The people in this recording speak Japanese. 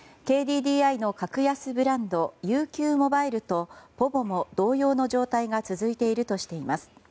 ＫＤＤＩの格安ブランドＵＱｍｏｂｉｌｅとｐｏｖｏも同様の状態が続いているとしています。